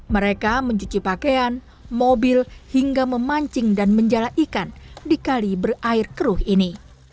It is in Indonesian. mereka mencuci pakaian mobil hingga memancing dan menjala ikan di kali berair keruh ini